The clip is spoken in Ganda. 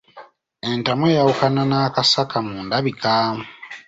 Entamu eyawukana n'akasaka mu ndabika.